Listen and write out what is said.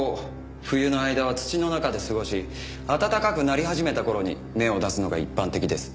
冬の間は土の中で過ごし暖かくなり始めた頃に芽を出すのが一般的です。